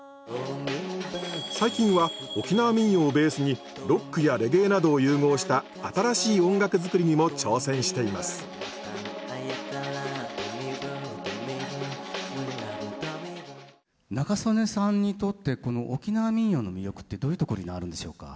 最近は沖縄民謡をベースにロックやレゲエなどを融合した新しい音楽作りにも挑戦しています仲宗根さんにとって沖縄民謡の魅力ってどういうところにあるんでしょうか？